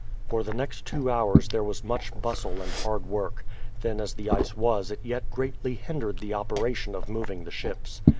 For the next two hours there was much bustle and hard work. Thin as the ice was it yet greatly hindered the operation of moving the ships.